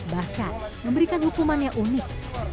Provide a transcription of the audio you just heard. bahkan memberikan hukumannya unik